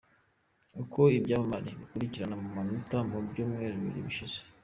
Uko ibyamamare bikurikirana mu manota mu byumweru bibiri bishize:.